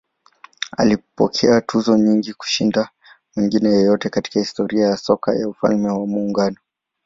Alipokea tuzo nyingi kushinda mwingine yeyote katika historia ya soka ya Ufalme wa Muungano.